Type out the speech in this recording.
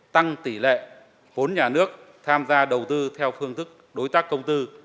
tăng tỷ lệ vốn nhà nước tham gia đầu tư theo phương thức đối tác công tư